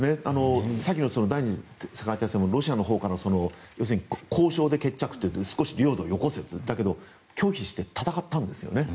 先の第２次世界大戦もロシアのほうから要するに交渉で決着って少し領土をよこせと言ったけれども拒否して、戦ったんですね。